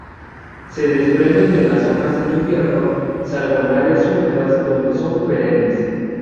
Se desprenden de las hojas en invierno, salvo en áreas húmedas, donde son perennes.